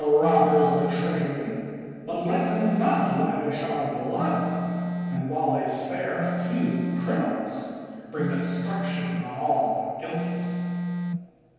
robbers of the treasury; but let them not lavish our blood, and, while they spare a few criminals, bring destruction on all the guiltless.